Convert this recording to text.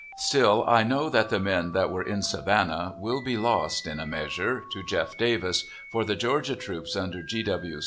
Still, I know that the men that were in Savannah will be lost in a measure to Jeff. Davis, for the Georgia troops, under G.